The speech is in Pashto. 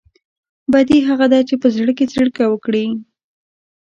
بدي هغه ده چې په زړه کې څړيکه وکړي.